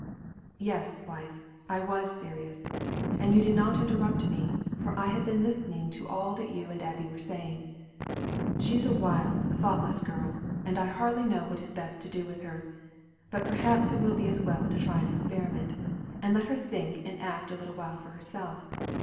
"Yes, wife, I was serious, and you did not interrupt me, for I had been listening to all that you and Abby were saying. She is a wild, thoughtless girl, and I hardly know what it is best to do with her; but perhaps it will be as well to try an experiment, and let her think and act a little while for herself.